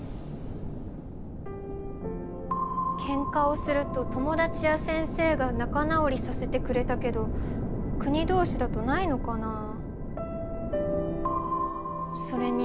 けんかをすると友だちや先生がなかなおりさせてくれたけど国同士だとないのかなあ。